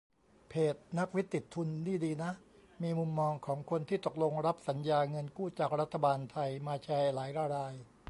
เพจ "นักวิทย์ติดทุน" นี่ดีนะ มีมุมมองของคนที่ตกลงรับสัญญาเงินกู้จากรัฐบาลไทยมาแชร์หลายราย